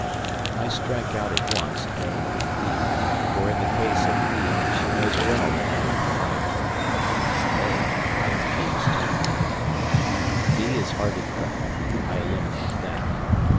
I strike out at once (a) and (e), for in the case of (e) she knows well that I would provide for her, and (a) I refuse to admit, (b) is hardly credible I eliminate that.